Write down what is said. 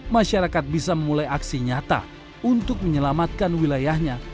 masyarakat bisa memulai aksi nyata untuk menyelamatkan wilayahnya